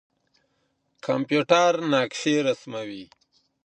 کمپيوټر نقشې رسموي.